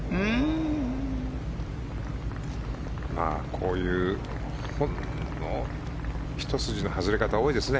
こういうほんのひと筋の外れ方が多いですね。